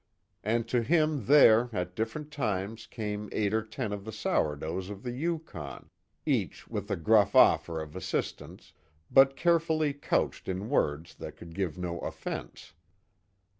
And to him there, at different times came eight or ten of the sourdoughs of the Yukon, each with a gruff offer of assistance, but carefully couched in words that could give no offense.